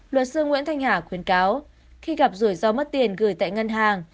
luật sư nguyễn thanh hà khuyến cáo khi gặp rủi ro mất tiền gửi tại ngân hàng